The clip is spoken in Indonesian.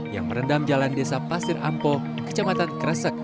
yang merendam jalan desa pasir ampo kecamatan kresek